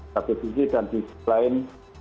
tapi disini dan di lain